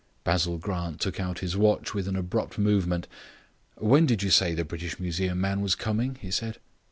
Basil Grant took out his watch with an abrupt movement. "When did you say the British Museum man was coming?" he said.